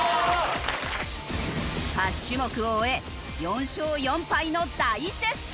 ８種目を終え４勝４敗の大接戦！